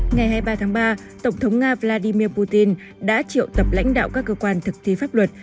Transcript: ngày hai mươi ba tháng ba tổng thống nga vladimir putin đã triệu tập lãnh đạo các cơ quan thực thi pháp luật